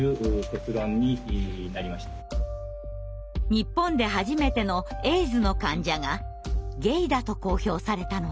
日本で初めてのエイズの患者がゲイだと公表されたのです。